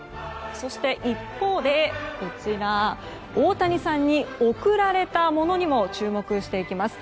そして一方で、大谷さんに贈られたものにも注目していきます。